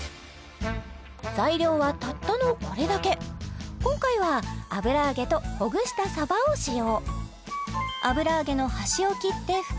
材料はたったのこれだけ今回は油揚げとほぐしたさばを使用